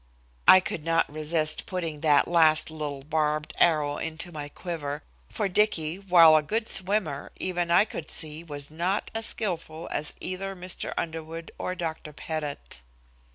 I could not resist putting that last little barbed arrow into my quiver, for Dicky, while a good swimmer, even I could see, was not as skillful as either Mr. Underwood or Dr. Pettit.